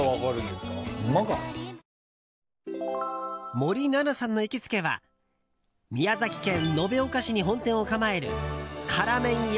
森七菜さんの行きつけは宮崎県延岡市に本店を構える辛麺屋